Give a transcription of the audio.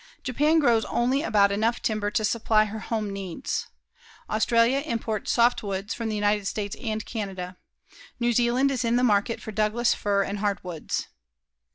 Japan grows only about enough timber to supply her home needs. Australia imports softwoods from the United States and Canada. New Zealand is in the market for Douglas fir and hardwoods.